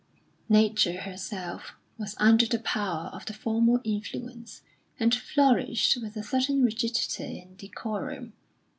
Nature herself was under the power of the formal influence, and flourished with a certain rigidity and decorum.